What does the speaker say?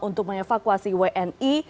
untuk menyevakuasi wni